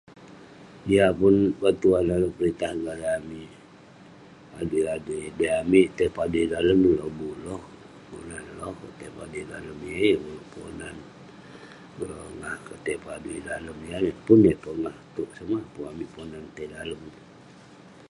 jiak bantuan nanouk peritah tong daleh amik, adui adui, dey amik tai padui dalem neh, lobuk loh keh ,kelunan loh keh tai padui dalem neh, yeng eh ulouk ponan ngerongah kerk tai padui dalem neh, nian neh pun neh pongah touk, somah pun amik ponan tai dalem neh